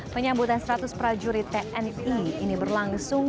penyambutan seratus prajurit tni ini berlangsung